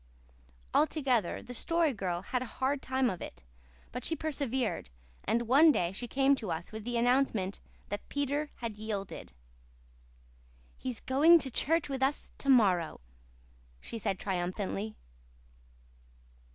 Altogether, the Story Girl had a hard time of it; but she persevered; and one day she came to us with the announcement that Peter had yielded. "He's going to church with us to morrow," she said triumphantly.